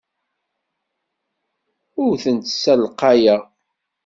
Ur tent-ssalqayeɣ.